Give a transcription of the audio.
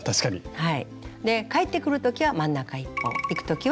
はい。